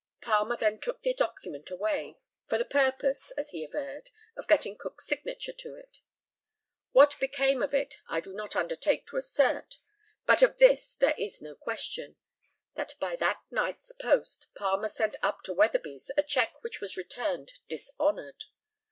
Palmer then took the document away, for the purpose, as he averred, of getting Cook's signature to it. What became of it I do not undertake to assert; but of this there is no question, that by that night's post Palmer sent up to Weatherby's a cheque which was returned dishonoured.